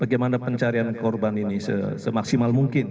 bagaimana pencarian korban ini semaksimal mungkin